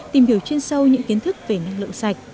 tìm hiểu chuyên sâu những kiến thức về năng lượng sạch